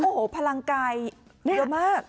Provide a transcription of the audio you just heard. โอ้โหพลังกายเยอะมาก